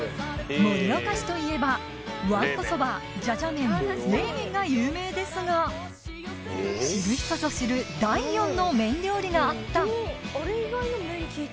盛岡盛岡市といえばわんこそばじゃじゃ麺冷麺が有名ですが知る人ぞ知る第４の麺料理があった！